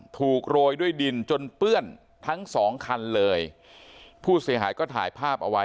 โรยด้วยดินจนเปื้อนทั้งสองคันเลยผู้เสียหายก็ถ่ายภาพเอาไว้